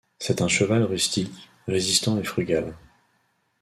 C'est un cheval rustique, résistant et frugale.